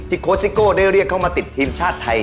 โค้ชซิโก้ได้เรียกเข้ามาติดทีมชาติไทย